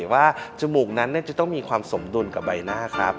ว่าจมูกนั้นจะต้องมีความสมดุลกับใบหน้าครับ